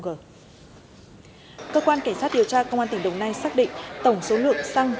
cơ quan cảnh sát điều tra công an tỉnh đồng nai xác định tổng số lượng xăng